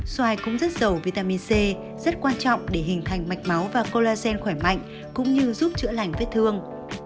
xoài cũng rất giàu vitamin c rất quan trọng để hình thành mạch máu và colagen khỏe mạnh cũng như giúp chữa lành vết thương